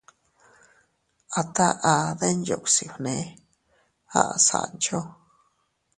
—A taʼa Denyuksi fnee —aʼa Sancho—.